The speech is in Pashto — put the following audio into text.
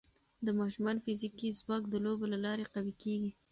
د ماشومانو فزیکي ځواک د لوبو له لارې قوي کېږي.